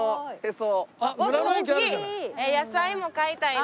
野菜も買いたいな。